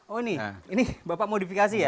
oh ini ini bapak modifikasi ya